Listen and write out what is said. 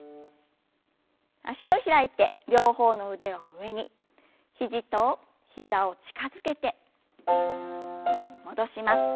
脚を開いて両方の腕を上に肘と膝を近づけて戻します。